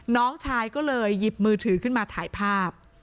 น้องชายก็เลยหยิบมือถือขึ้นมาถ่ายภาพ